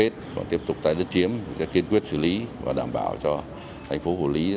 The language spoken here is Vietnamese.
tiếp tục tái lất chiếm kiên quyết xử lý và đảm bảo cho thành phố hồ lý